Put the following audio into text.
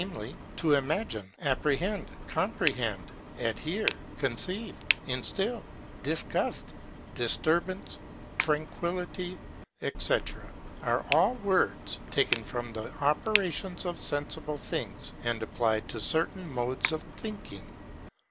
to IMAGINE, APPREHEND, COMPREHEND, ADHERE, CONCEIVE, INSTIL, DISGUST, DISTURBANCE, TRANQUILLITY, &c., are all words taken from the operations of sensible things, and applied to certain modes of thinking.